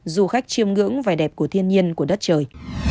du khách chiêm ngưỡng vẻ đẹp của thiên nhiên của đất trời